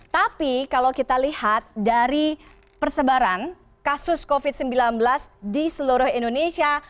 tapi kalau kita lihat dari persebaran kasus covid sembilan belas di seluruh indonesia